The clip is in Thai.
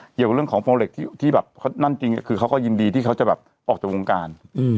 เกี่ยวกับเรื่องของโปรเล็กที่แบบเขานั่นจริงคือเขาก็ยินดีที่เขาจะแบบออกจากวงการ